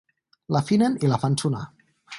L'afinen i la fan sonar.